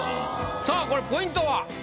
さぁこれポイントは？